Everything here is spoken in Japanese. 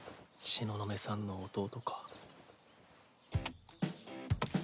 東雲さんの弟？